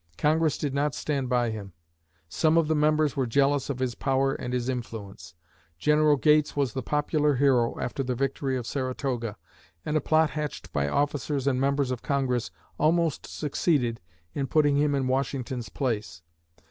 Congress did not stand by him. Some of the members were jealous of his power and his influence. General Gates was the popular hero after the victory of Saratoga, and a plot hatched by officers and members of Congress almost succeeded in putting him in Washington's place.